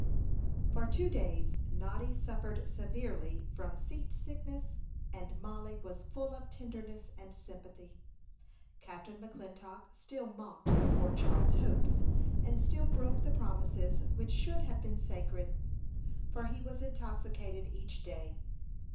For two days Noddy suffered severely from seasickness, and Mollie was full of tenderness and sympathy. Captain McClintock still mocked the poor child's hopes, and still broke the promises which should have been sacred, for he was intoxicated each day.